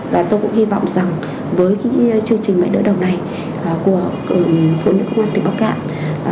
và tôi cũng hy vọng rằng với chương trình mẹ đỡ đầu này của phụ nữ công an tỉnh bắc cạn